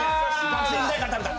学生時代から食べてた。